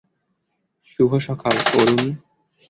শুভ সকাল, অরুণ।